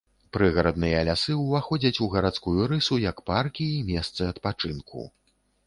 Прыгарадныя лясы ўваходзяць у гарадскую рысу як паркі і месцы адпачынку.